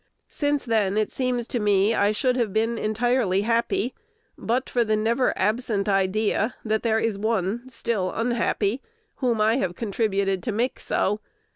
Since then it seems to me I should have been entirely happy, but for the never absent idea that there is one still unhappy whom I have contributed to make so.